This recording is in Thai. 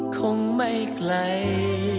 คงไม่ไกล